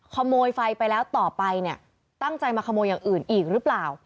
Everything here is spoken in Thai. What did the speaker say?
ขโมยไฟไปแล้วต่อไปเนี่ยตั้งใจมาขโมยอย่างอื่นอีกหรือเปล่า